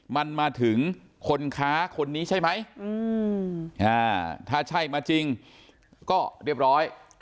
มันมาถึงคนค้าคนนี้ใช่ไหมถ้าใช่มาจริงก็เรียบร้อย